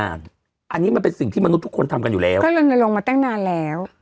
อันนี้มันเป็นสิ่งที่มนุษย์ทุกคนทำกันอยู่แล้วก็ลนลงมาตั้งนานแล้ว